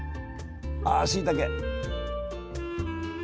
あしいたけ！